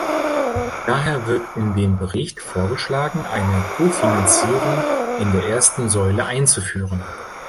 Daher wird in dem Bericht vorgeschlagen, eine Kofinanzierung in der ersten Säule einzuführen.